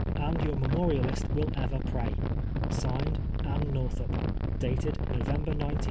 And your memorialist will ever prav. (Signed,) ' ANNE NORTHUP. Dated November 19, 1852.